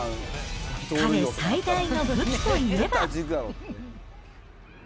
彼最大の武器といえば。